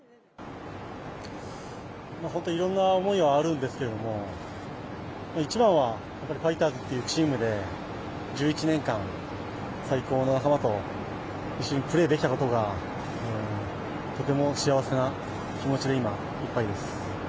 本当にいろんな思いはあるんですけれども、一番はファイターズっていうチームで１１年間、最高の仲間と一緒にプレーできたことが、とても幸せな気持ちで今いっぱいです。